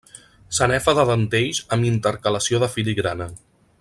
Sanefa de dentells amb intercalació de filigrana.